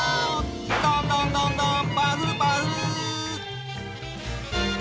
ドンドンドンドンパフパフ！